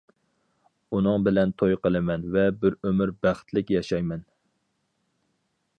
ئۇنىڭ بىلەن توي قىلىمەن ۋە بىر ئۆمۈر بەختلىك ياشايمەن.